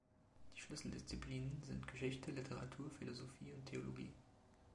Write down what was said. Die Schlüsseldisziplinen sind Geschichte, Literatur, Philosophie und Theologie.